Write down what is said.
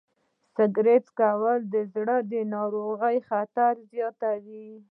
سګریټ څکول د زړه د ناروغیو خطر زیاتوي.